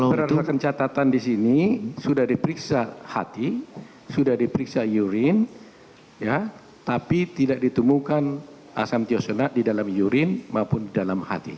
berada di catatan di sini sudah diperiksa hati sudah diperiksa urine tapi tidak ditemukan asam tiosana di dalam urine maupun di dalam hati